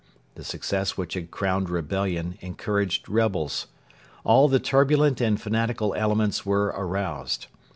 The success which had crowned rebellion encouraged rebels. All the turbulent and fanatical elements were aroused.